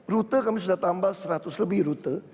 rute kami sudah tambah seratus lebih rute